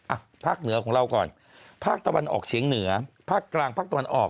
ภาคเหนือของเราก่อนภาคตะวันออกเฉียงเหนือภาคกลางภาคตะวันออก